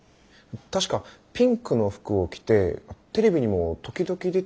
確かピンクの服を着てテレビにも時々出てる人たちですよね。